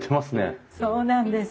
そうなんです。